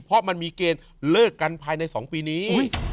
เพราะมันมีเกณฑ์เลิกกันภายใน๒ปีนี้